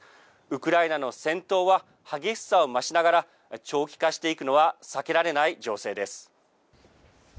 ウクライナの戦闘は激しさを増しながら長期化していくのは避けられない情勢です。